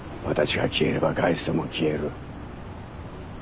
私が消えればガイストも消える。